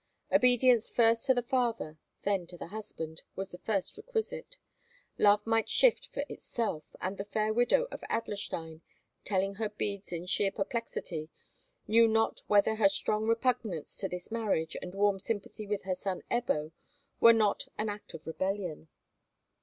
Obedience first to the father, then to the husband, was the first requisite; love might shift for itself; and the fair widow of Adlerstein, telling her beads in sheer perplexity, knew not whether her strong repugnance to this marriage and warm sympathy with her son Ebbo were not an act of rebellion.